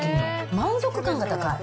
満足感が高い。